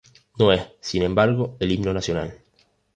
No es, sin embargo, el himno nacional.